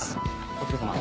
「お疲れさま」